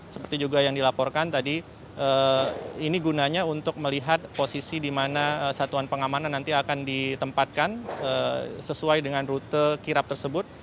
seperti juga yang dilaporkan tadi ini gunanya untuk melihat posisi di mana satuan pengamanan nanti akan ditempatkan sesuai dengan rute kirap tersebut